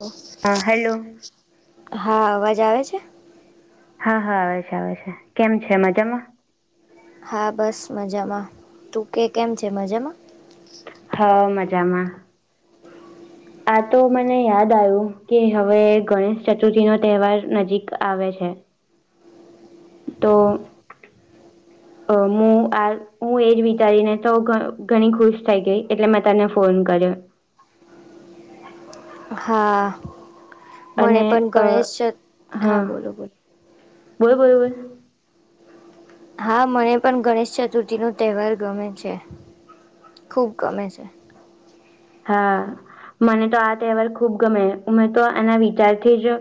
લો હા હેલો હા અવાજ આવે છે? હા હા આવે છે, આવે છે. કેમ છે મજામાં? હા બસ મજામાં. તું કે કેમ છે મજામાં? હા મજામાં. આ તો મને યાદ આયું કે હવે ગણેશચતુર્થીનો તહેવાર નજીક આવે છે. તો અ મું આ હું એજ વિચારીને તો ઘ ઘણી ખુશ થઈ ગઈ. એટલે મેં તને ફોન કર્યો. હા મને અને પણ અ ગણેશચત હા બોલો બોલો. બોલ બોલ બોલ. હા મને પણ ગણેશચતુર્થીનો તહેવાર ગમે છે. ખુબ ગમે છે. હા મને તો આ તહેવાર ખુબ ગમે. મેં તો આના વિચારથી જ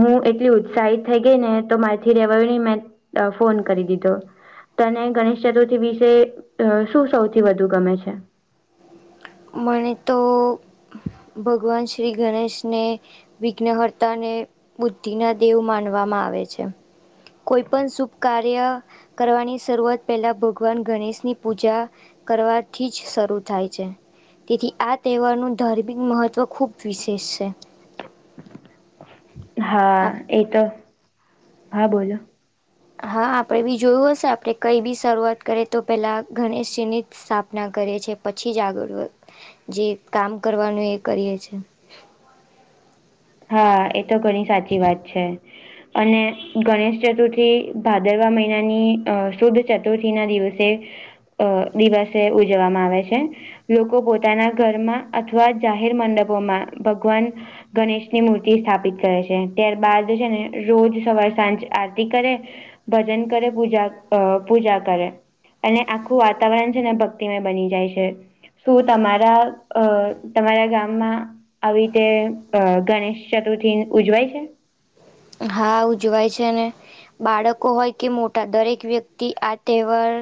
હું એટલી ઉત્સાહિત થઈ ગઈ ને તો મારથી રેવાયું નહીં. મેં અ ફોન કરી દીધો. તને ગણેશચતુર્થી વિશે અ શું સૌથી વધુ ગમે છે? મને તો ભગવાન શ્રી ગણેશને વિઘ્નહર્તા ને, બુદ્ધિના દેવ માનવામાં આવે છે. કોઈ પણ શુભ કાર્ય કરવાની શરૂઆત પહેલાં ભગવાન ગણેશની પૂજા કરવાથી જ શરૂ થાય છે. તેથી આ તહેવારનું ધાર્મિક મહત્વ ખુબ વિશેષ છે. આપ હા એ તો હા બોલો. હા આપડે બી જોયું હશે આપણે કઈ બી શરૂઆત કરીએ તો પેલા ગણેશજીની જ સ્થાપના કરીએ છીએ. પછી જ આગળ જે કામ કરવાનું એ કરીએ છીએ. હા એતો ઘણી સાચી વાત છે. અને ગણેશ ચતુર્થી ભાદરવા મહિનાની શુદ્ધ ચતુર્થીના દિવસે. અ દિવસે ઉજવવામાં આવે છે. લોકો પોતાના ઘરમાં અથવા જાહેર મંડપોમાં ભગવાન ગણેશ. ની મૂર્તિ સ્થાપિત કરે છે ત્યારબાદ છે ને રોજ સવાર સાંજ આરતી કરે. ભજન કરે પૂજા અ પૂજા કરે. અને આખું વાતાવરણ છે ને ભક્તિમય બની જાય છે. શું તમારા તમારા ગામમાં આવી રીતે ગણેશ ચતુર્થી ઉજવાય છે. હા ઉ ઉજવાય છે ને. બાળકો હોય કે મોટા દરેક વ્યક્તિ આ તહેવાર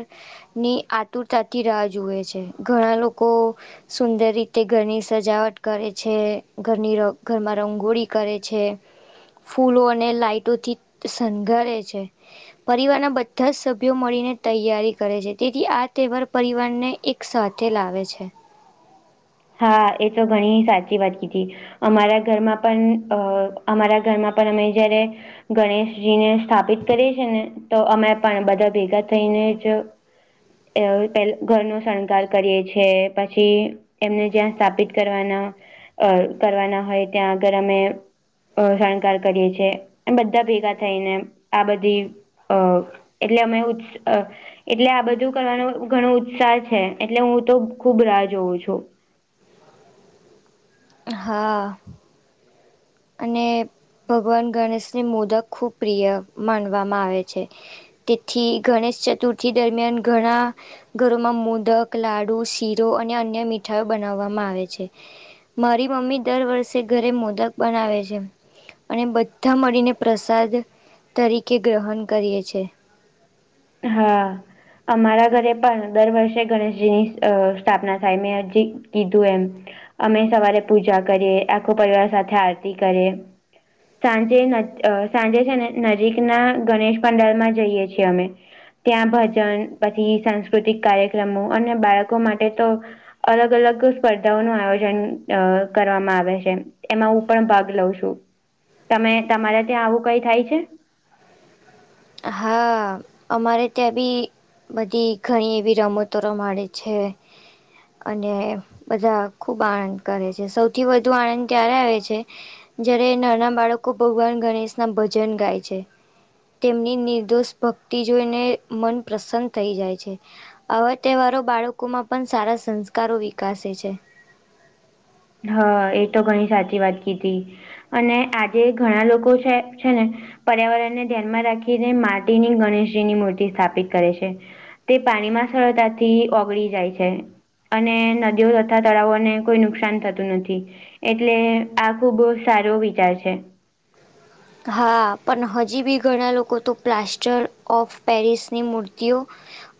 ની આતુરતાથી રાહ જોુએ છે ઘણા લોકો સુંદર રીતે ઘરની સજાવટ કરે છે ઘરની ઘરમાં રંગોળી કરે છે. ફૂલો અને લાાઈટોથી શઘરે છે. પરિવારના બધા જ સભ્યો મળીને તૈયારી કરે છે તેથી આ તહેવાર પરિવારને એક. સાથે લાવે છે. હા એ તો ઘણી સાચી વાત કીધી અમારા ઘરમાં પણ અ અમારા ઘરમાં પણ અમે જયારે ગણેશજીને સ્થાપિત કરીએ છી ને તો અમે પણ બધા ભેગા થઈને જ પે ઘરનો શણગાર કરીએ છે પછી. એમને જ્યાં સ્થાપિત કરવાના અ કરવાના હોય ત્યાં આગર અમે અ શણકાર કરીએ છેએ બધા ભેગા થઈને આ બધી અ એટલે અમે. એટલે આ બધું કરવાનો ઘણો ઉત્સાહ છે એટલે હું તો ખુબ રાહ જોઉં છું. હા. અને ભગવાન ગણેશની મોદક ખૂબ પ્રિય માનવામાં આવે છે. તેથી ગણેશ ચતુર્થી દરમિયાન ઘણા ઘરોમાં મોદક લાડુ શીરો અને અન્ય મીઠાાઈ બનાવવામાં આવે છે. મારી મમ્મી દર વર્ષે ઘરે મોદક બનાવે છે. અને બધા મળીને પ્રસાદ તરીકે ગ્રહણ કરી છ છે. હા. અમારા ઘરે પણ દર વર્ષે ગણેશજીની સ્થાપના થાય મેં હજી કીધું એમ અમે સવારે પૂજા કરીએ આખો પરિવાર સાથે આરતી કરીએ. સાંજે સાંજે છે ને નજીકના ગણેશ પંડાલમાં જઈએ છીએ અમે. ત્યાં ભજન પછી સાંસ્કૃતિક કાર્યક્રમો અને બાળકો માટે તો અલગ અલગ સ્પર્ધાઓ નું આયોજન અ કરવામાં આવે છે. એમાં હું પણ ભાગ લઉં છું તમે તમારે ત્યાં આવું કઈ થાય છે. હા અમારે ત્યાં બી બધી ઘણી એવી રમતો રમાડે છે. અને બધા ખુબ આનંદ કરે છે સૌથી વધુ આનંદ ત્યારે આવે છે. જયારે નાના બાળકો ભગવાન ગણેશ ના ભજન ગાય છે તેમની નિર્દોષ ભક્તિ જોઈને મન પ્રસન થઈ જાય છે. આવા તહેવારો બાળકોમાં પણ સારા સંસ્કારો વિકસે છે. હા એ તો ઘણી સાચી વાત કીધી અને આજે ઘણા લોકો છે છે ને પર્યાવરણને ધ્યાનમાં રાખીને માટીની ગણેશજીની મૂર્તિ સ્થાપિત કરે છે. તે પાણી માં સરળતાથી ઓગળી જાય છે. અને નદીઓ તથા તળાવોને કોઈ નુકસાન. થતું નથી એટલે આ ખુબ સારુ વિચાર છે. હા પણ હજી બી ઘણા લોકો તો પ્લાસ્ટર ઓફ પેરિસની મૂર્તિઓ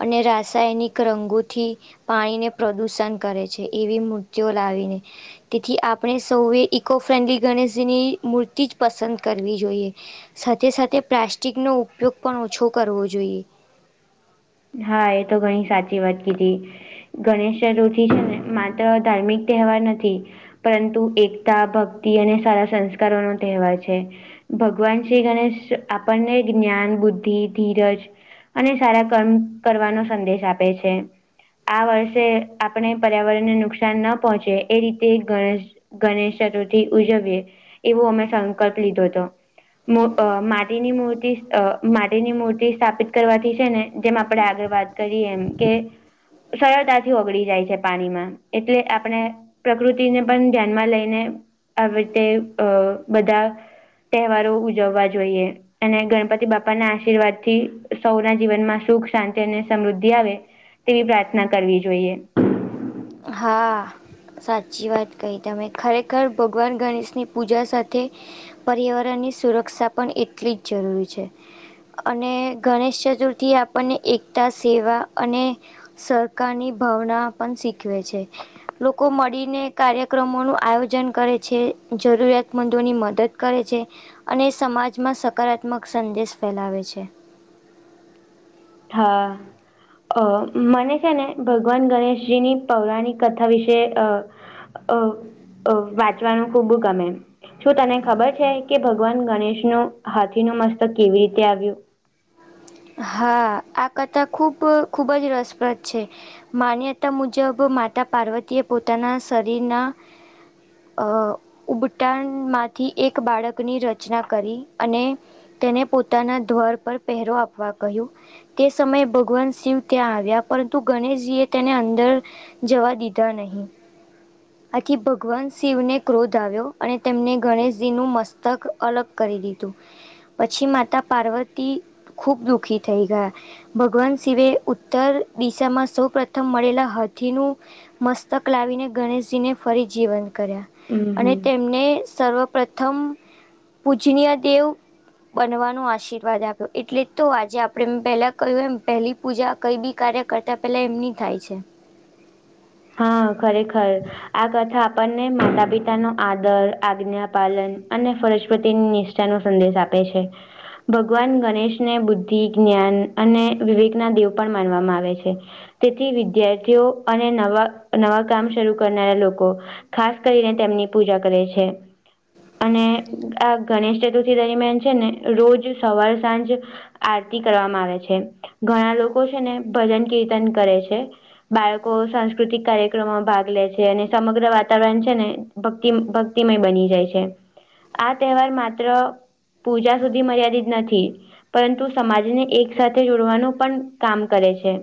અને રાસાયણિક અગોથી. પાણીને પ્રદુષણ કરે છે એવી મૂર્તિઓ લાવીને. તેથી આપણે સૌએ ઇકો ફ્રેન્ડલી ગણેશજીની મૂર્તિ જ પસંદ કરવી જોઈએ સાથે સાથે પ્લાસ્ટિકનો ઉપયોગ પણ ઓછો કરવો જોઈએ હા એ તો ઘણી સાચી વાત કીધી ગણેશ ચતુર્થી છે માત્ર ધાર્મિક તહેવાર નથી પરંતુ એકતા ભક્તિ અને સારા સંસ્કારો નો તહેવાર છે ભગવાન શ્રી ગણેશ આપણને જ્ઞાન બુદ્ધિ ધીરજ અને સારા કામ કરવાનો સંદેશ આપે છે આ વર્ષે આપણે પર્યાવરણને નુકસાન ન પહોંચે એ રીતે ગણેશ ગણેશ ચતુર્થી ઉજવીએ એવો અમે સંકલ્પ લીધો હતો માટીની મૂર્તિ માટી મૂર્તિ સ્થાપિત કરવાથી છે ને જેમ આપડે આગળ વાત કરીએ એમ કે સરળતાથી ઓગળી જાય છે પાણીમાં એટલે આપણે પ્રકૃતિને પણ ધ્યાનમાં લઈને આ રીતે અ બધા તહેવારો ઉજવવા જોઈએ અને ગણપતિ બાપા ના આશીર્વાદ થી સૌના જીવનમાં સુખ શાંતિ અને સમૃદ્ધિ આવે તેવી પ્રાર્થના કરવી જોઈએ હા સાચી વાત કહી તમે ખરેખર ભગવાન ગણેશની પૂજા સાથે પર્યાવરણ ની સુરક્ષા પણ એટલી જ જરૂરી છે અને ગણેશ ચતુર્થી આપણને એકતા સેવા અને સહકારની ભાવના પણ શીખવે છે લોકો મળીને કાર્યક્રમોનું આયોજન કરે છે જરૂરિયાતમંદોની મદદ કરે છે અને સમાજમાં સકારાત્મક સંદેશ ફેલાવે છે હા અ મને છે ને ભગવાન ગણેશજી ની પૌરાણિક કથા વિશે અ અ વાંચવાનું ખૂબું ગમે શું તને ખબર છે કે ભગવાન ગણેશ નું હાથી નું મસ્તક કેવી રીતે આવ્યું હા આ કથા ખૂબ ખૂબ જ રસપ્રદ છે માન્યતા મુજબ માતા પાર્વતીએ પોતાના શરીરના અ ઉબટાણમાંથી એક બાળકની રચના કરી અને તેને પોતાના ધ્વાર પર પહેરો આપવા કહ્યું તે સમયે ભગવાન શિવ ત્યાં આવ્યા પરંતુ ગણેશજી એ તેને અંદર જવા દીધા નહીં આથી ભગવાન શિવને ક્રોધ આવ્યો અને તેમને ગણેશજી નું મસ્તક અલગ કરી દીધું પછી માતા પાર્વતી ખુબ દુખી થઈ ગયા ભગવાન શિવે ઉત્તર દિશામાં સૌ પ્રથમ મળેલા હાથીનું મસ્તક લાવીને ગણેશજીને ફરી જીવંત કર્યા હમ અને તેમને સર્વ પ્ર્રથમ પૂજનીય દેવ બનવાનો આશીર્વાદ આપ્યો એટલે તો આજે આપણે પહેલા કહ્યું એમ પહેલી પૂજા કઈ બી કાર્ય કરતા પેલા એમની થાય છે હા ખરેખર આ કથા આપણને માતા પિતા નો આદર આજ્ઞા પાલન અને ફરસ્વતીની નિષ્ઠ નો સંદેશ આપે છે ભગવાન ગણેશને બુદ્ધિ જ્ઞાન અને વિવેકના દેવ પણ માનવામાં આવે છે તેથી વિદ્યાર્થીઓ અને નવા નવા કામ શરૂ કરનારા લોકો ખાસ કરીને તેમની પૂજા કરે છે અને આ ગણેશ ચતુર્થી દરમિયાન છે ને રોજ સવાર સાંજ આરતી કરવામાં આવે છે ઘણા લોકો છે ને ભજન કીર્તન કરે છે બાળકો સંસ્ સાકૃતિક કાર્યક્રમોમાં ભાગ લે છે અને સમગ્ર વાતાવરણ છે ને ભક્તિ ભક્તિમય બની જાય છે આ તહેવાર માત્ર પૂજા સુધી મર્યાદિત નથી. પરંતુ સમાજને એક સાથે જોડવાનું પણ કામ કરે છે.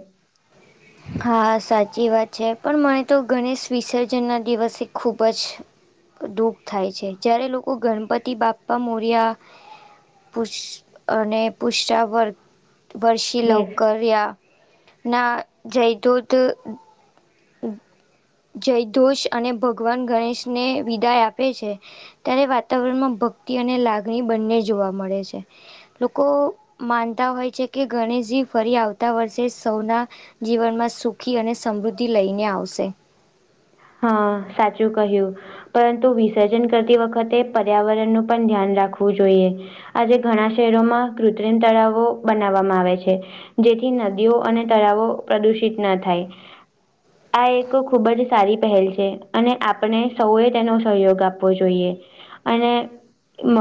હા સાચી વાત છે પણ મને તો ગણેશ વિસર્જન ના દિવસે ખૂબ જ દુઃખ થાય છે જય્યારે લોકો ગણપતિ બાપ્પા મોર્યા પુ અને પુષ વર્ વર્ષી બસ લવકરિયા ના જયદૂત હ જયદોષ અને ભગવાન ગણેશને વિદાય આપે છે. ત્યારે વાતાવરણમાં ભક્તિ અને લાગણી બંને જોવા મળે છે. લોકો માનતા હોય છે કે ગણેશજી ફરી આવતા વર્ષે સૌના જીવનમાં સુખી અને સમૃદ્ધિ લઈને આવશે. હા સાચું કહ્યું! પરંતુ વિસર્જન કરતી વખતે પર્યાવરણનું પણ ધ્યાન રાખવું જોઈએ આજે ઘણા શહેરોમાં કૃત્રિમ તળાવો બનાવવામાં આવે છે. જેથી નદીઓ અને તળાવો પ્રદુષિત ના થાય આ એક ખૂબ જ સારી પહેલ છે અને આપણે સૌએ તેનો સહયોગ આપવો જોઈએ અને મ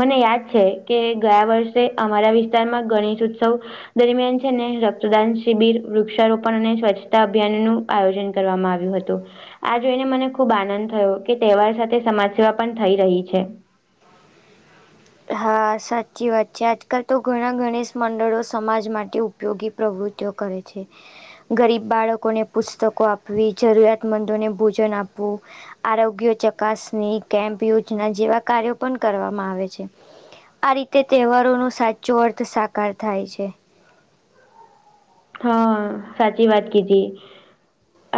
મને યાદ છે કે ગયા વર્ષે અમારા વિસ્તારમાં ગણેશ ઉત્સવ દરમિયાન છે ને રક્તદાન શિબિર વૃક્ષારોપણ અને સ્વચ્છતા અભિયાન નું આયોજન કરવામાં આવ્યું હતું. આ જોઈને મને ખુબ આનંદ થયો કે તહેવાર સાથે સમાજ સેવા પણ થઈ રહી છે. હા સાચી વાત છે આજકાલ તો ઘણા ગણેશ મંડળો સમાજ માટે ઉપ ઉપયોગી પ્રવૃત્તિઓ કરે છે. ગરીબ બાળકોને પુસ્તકો આપવી જરૂરિયાતમંદોને ભોજન આપવું. આરોગ્ય ચકાસણી કેમ્પ યોજના જેવા કાર્યો પણ કરવામાં આવે છે. આ રીતે તહેવારોનો સાચો અર્થ સાકાર થાય છે. હા સાચી વાત કજ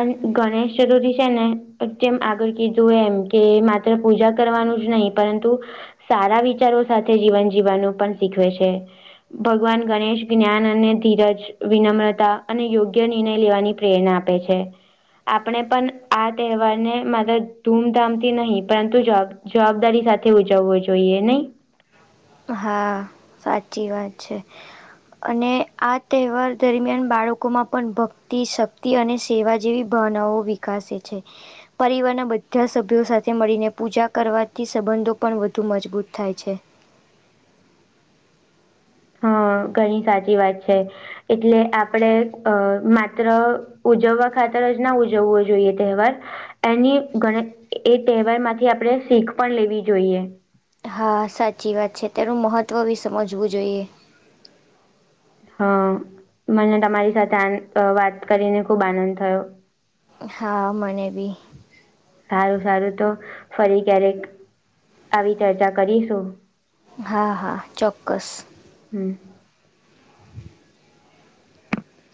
અને ગણેશ ચતુર્થી છે ને પણ જેમ આગળ કીધુંય એમ કે માત્ર પૂજા કરવાનું જ નહી પરંતુ સારા વિચારો સાથે જીવન જીવવાનું પણ શીખવે છે. ભગવાન ગણેશ જ્ઞાન અને ધીરજ વિનમ્રતા અને યોગ્ય નિર્ણય લેવાની પ્રેરણા આપે છે. આપણે પણ આ તહેવારને મા ધૂમધામથી નહીિ પરંતુ જબ જવાબદારી સાથે ઉજવવો જોઈએ નહી. હા સાચી વાત છે. અને આ તહેવાર દરમિયાન બાળકોમાં પણ ભક્તિ શક્તિ અને સેવા જેવી ભાવનાઓ વિકસે છે. પરિવારના બધા સભ્યો સાથે મળીને પૂજા કરવાથી સંબંધો પણ વધુ મજબૂત થાય છે. હા ઘણી સાચી વાત છે એટલે આપડે અ માત્ર ઉજવવા ખાતર જ ના ઉજવવો જોઈએ તહેવાર એની ગ એ તહેવાર માંથી આપણે શીખ પણ લેવી જોઈએ હા સાચી વાત છે તેનું મહત્ત્વ બી સમજવું જોઈએ હ મને તમારી સાથે આ વાત કરીને ખૂબ આનંદ થયો હા મને ભી સારું સારું તો ફરી ક્યારેક આવી ચર્ચા કરીશું. હા હા ચોક્કસ હમ